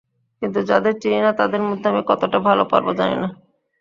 কিন্তু যাদের চিনি না, তাদের মধ্যে আমি কতটা ভালো পারব, জানি না।